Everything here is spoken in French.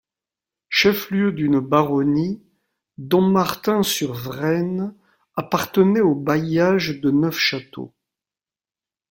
Chef-lieu d'une baronnie, Dommartin-sur-Vraine appartenait au bailliage de Neufchâteau.